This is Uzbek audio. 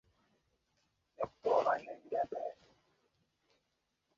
Shavkat Mirziyoev: Sizlarning oldingizdagi qarzimiz haqqini ming xazina bilan ham ado etib bo‘lmaydi